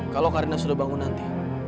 kalau karena sudah bangun nanti